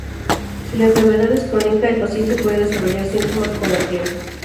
Si la enfermedad es crónica el paciente puede desarrollar síntomas con el tiempo.